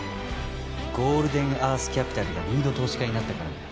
ゴールデンアースキャピタルがリード投資家になったからだよ。